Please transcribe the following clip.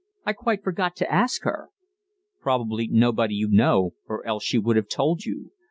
I quite forgot to ask her." "Probably nobody you know, or she would have told you.